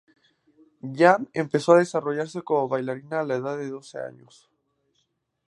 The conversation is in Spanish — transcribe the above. Yan empezó a desempeñarse como bailarina a la edad de doce años.